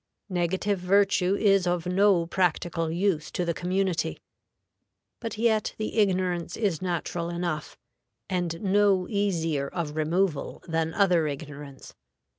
Negative virtue is of no practical use to the community. But yet the ignorance is natural enough, and no easier of removal than other ignorance.